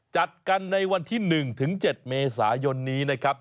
จัดกันในวันที่๑ถึง๗เมษายนนี้นะครับ